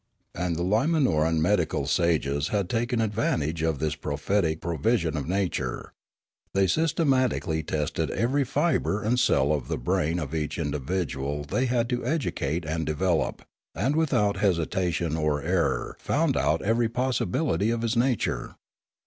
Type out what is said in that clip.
And the Limanoran medical sages had taken ad vantage of this prophetic provision of nature. They systematically tested every fibre and cell of the brain of each individual they had to educate and develop, and without hesitation or error found out every pos sibility of his nature.